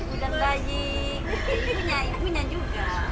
dengan selamat ibu dan bayi ibunya juga